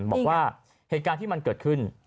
บอกว่าเหตุการณ์ที่มันเกิดขึ้น